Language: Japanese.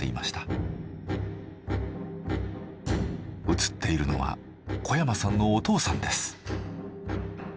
写っているのは小山さんのお父さんです。